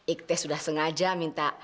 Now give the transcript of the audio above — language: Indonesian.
ikte sudah sengaja minta